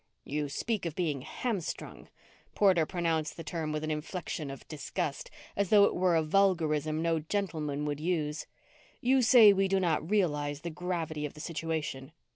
"You speak of being hamstrung." Porter pronounced the term with an inflection of disgust, as though it were a vulgarism no gentleman would use. "You say we do not realize the gravity of the situation.